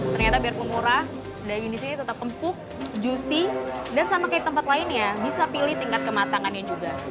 ternyata biarpun murah daging di sini tetap empuk juicy dan sama kayak tempat lainnya bisa pilih tingkat kematangannya juga